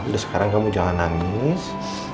udah sekarang kamu jangan nangis